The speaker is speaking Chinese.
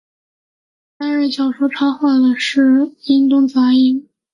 担任小说插画的是伊东杂音。